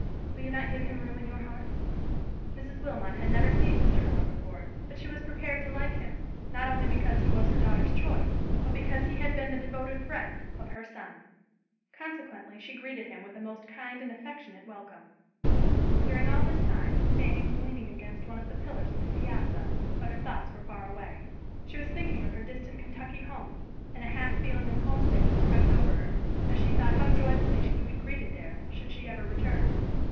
Will you not give him room in your heart?" Mrs. Wilmot had never seen Mr. Miller before, but she was prepared to like him, not only because he was her daughter's choice, but because he had been the devoted friend of her son; consequently she greeted him with a most kind and affectionate welcome. During all this time Fanny was leaning against one of the pillars of the piazza, but her thoughts were far away. She was thinking of her distant Kentucky home, and a half feeling of homesickness crept over her, as she thought how joyfully she would be greeted there, should she ever return.